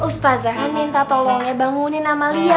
ustadzah minta tolongnya bangunin amalia